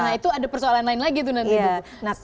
nah itu ada persoalan lain lagi tuh nanti